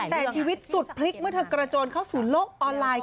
แต่ชีวิตสุดพลิกเมื่อเธอกระโจนเข้าสู่โลกออนไลน์